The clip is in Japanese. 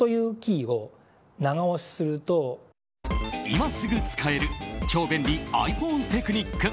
今すぐ使える超便利ｉＰｈｏｎｅテクニック。